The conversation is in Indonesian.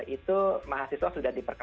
itu mahasiswa sudah diperkuliah